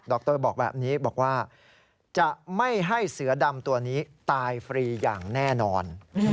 บอกแบบนี้บอกว่าจะไม่ให้เสือดำตัวนี้ตายฟรีอย่างแน่นอน